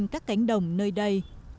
các cánh đồng nơi đây